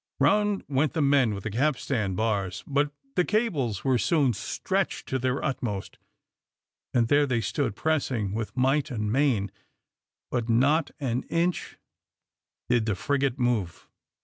Round went the men with the capstan bars, but the cables were soon stretched to their utmost, and there they stood pressing with might and main, but not an inch did the frigate move.